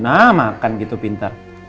nah makan gitu pintar